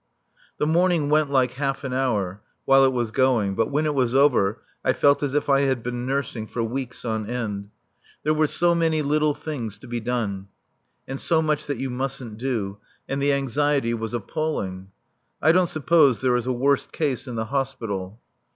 The morning went like half an hour, while it was going; but when it was over I felt as if I had been nursing for weeks on end. There were so many little things to be done, and so much that you mustn't do, and the anxiety was appalling. I don't suppose there is a worse case in the Hospital.